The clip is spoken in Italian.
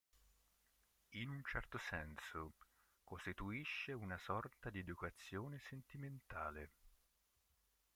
In un certo senso, costituisce una sorta di educazione sentimentale.